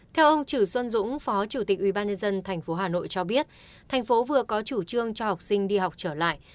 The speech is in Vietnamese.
theo ông chử xuân dũng phó chủ tịch ubnd tp hà nội cho biết thành phố vừa có chủ trương cho học sinh đi học trở lại